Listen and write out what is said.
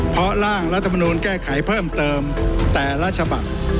เพราะร่างรัฐมนูลแก้ไขเพิ่มเติมแต่ละฉบับ